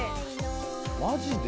マジで？